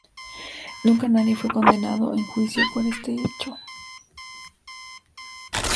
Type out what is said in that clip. Nunca nadie fue condenado en juicio por este hecho.